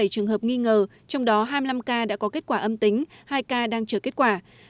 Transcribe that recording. bảy mươi trường hợp nghi ngờ trong đó hai mươi năm ca đã có kết quả âm tính hai ca đang chờ kết quả